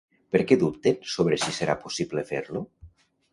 Per què dubten sobre si serà possible fer-lo?